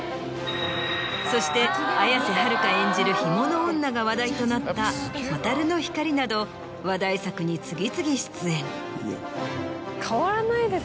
そして綾瀬はるか演じる干物女が話題となった『ホタルノヒカリ』など話題作に次々出演。